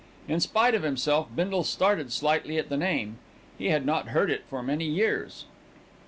In spite of himself Bindle started slightly at the name. He had not heard it for many years.